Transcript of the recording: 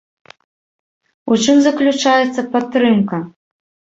У чым заключаецца падтрымка?